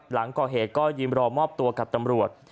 หลังก่อเหตุก็ยืนรอมอบตัวกับตำรวจ